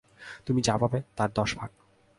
তুমি যা পাবে, তার দশ ভাগ।